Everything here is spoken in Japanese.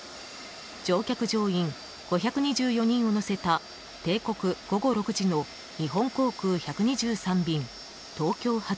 乗客・乗員５２４人を乗せた定刻午後６時の日本航空１２３便東京発